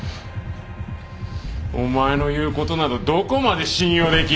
お前の言うことなどどこまで信用できる。